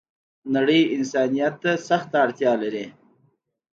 نړۍ انسانيت ته سخته اړتیا لری